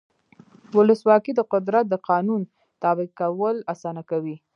ولسواکي د قدرت د قانون تابع کول اسانه کوي.